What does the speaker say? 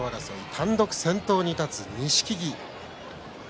単独先頭に立つ錦木です。